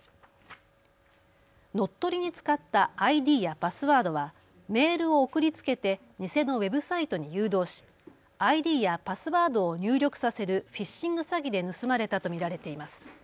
乗っ取りに使ったＩＤやパスワードはメールを送りつけて偽のウェブサイトに誘導しＩＤやパスワードを入力させるフィッシング詐欺で盗まれたと見られています。